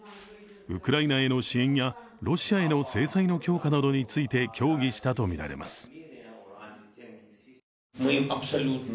ウクライナへの支援やロシアへの制裁の強化などについて協議したとみられます。